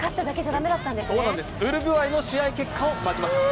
ウルグアイの試合結果を待ちます。